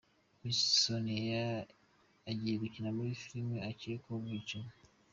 Miss Soniya agiye gukina muri filimi akekwaho ubwicanyi